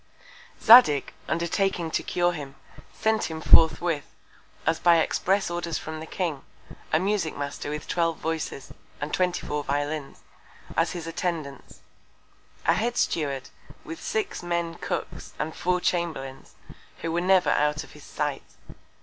Zadig, undertaking to cure him, sent him forthwith, as by express Order from the King, a Musick Master with twelve Voices, and 24 Violins, as his Attendants; a Head Steward, with six Men Cooks, and 4 Chamberlains, who were never to be out of his Sight.